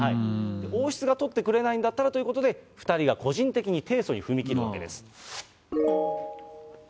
王室が取ってくれないんだったらということで、２人が個人的に提訴に踏み切るわけです。